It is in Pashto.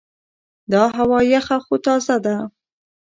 دا هوا یخه خو تازه ده.